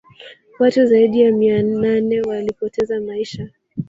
watu zaidi ya mia nane walipoteza maisha